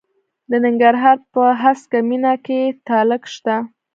د ننګرهار په هسکه مینه کې تالک شته.